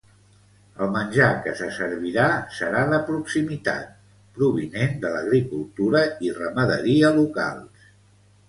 El menjar que se servirà serà de proximitat, provinent de l'agricultura i ramaderia locals.